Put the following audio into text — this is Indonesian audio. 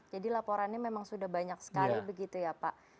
jadi laporannya memang sudah banyak sekali begitu ya pak